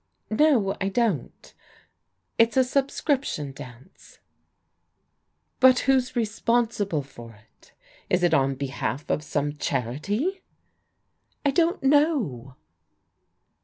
" No, I don't. It's a subscription dance." But who's responsible for it? Is it on behalf of some charity? 99 " I don't know."